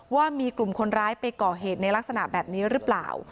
ว่ามีกลุ่มคนร้ายไปก่อเหตุในลักษณะแบบนี้หรือเปล่า